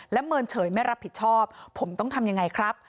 เมินเฉยไม่รับผิดชอบผมต้องทำยังไงครับ